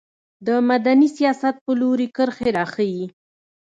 د مدني سیاست په لوري کرښې راښيي.